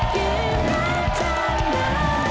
เกมรับทางน้ำ